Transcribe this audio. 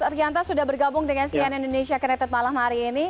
pak rianta sudah bergabung dengan cn indonesia connected malam hari ini